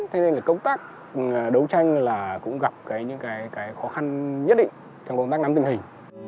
thế nên là công tác đấu tranh là cũng gặp những cái khó khăn nhất định trong công tác nắm tình hình